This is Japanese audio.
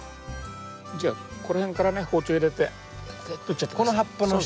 じゃあこの辺からね包丁入れてとっちゃって下さい。